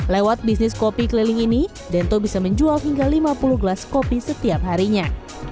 lewat bisnis kopi keliling ini dento bisa menjual hingga lima puluh gelas kopi setiap harinya